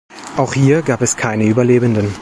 Auch hier gab es keine Überlebenden.